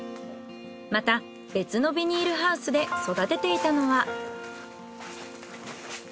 また別のビニールハウスで育てていたのは。